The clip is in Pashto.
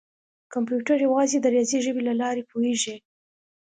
کمپیوټر یوازې د ریاضي ژبې له لارې پوهېږي.